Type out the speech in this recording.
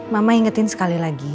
mama ingetin sekali lagi